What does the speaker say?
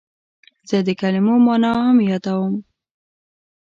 زه د کلمو مانا هم یادوم.